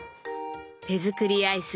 手作りアイス